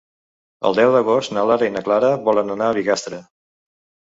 El deu d'agost na Lara i na Clara volen anar a Bigastre.